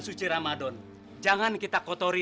suci ramadan jangan kita kotori